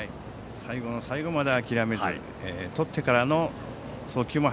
最後の最後まで諦めずとってからの送球も